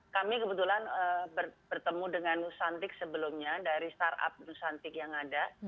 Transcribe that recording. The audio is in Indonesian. kami kebetulan bertemu dengan nusantik sebelumnya dari startup nusantik yang ada